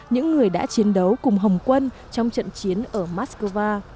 những người đã chiến đấu cùng hồng quân trong trận chiến ở moscow